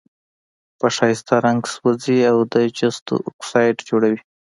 په ښایسته رنګ سوزي او د جستو اکسایډ جوړوي.